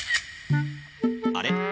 あれ？